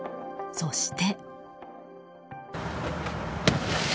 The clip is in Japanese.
そして。